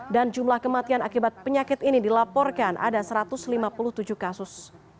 dan jumlah kematian akibat penyakit ini dilaporkan ada satu ratus lima puluh tujuh kasus